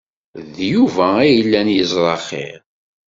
D Yuba ay yellan yeẓra xir.